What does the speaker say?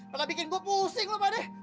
pada bikin gue pusing lo padeh